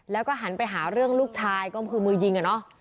แล้วก็หันไปหาเรื่องลูกชายก็คือมือยิงอะเนาะ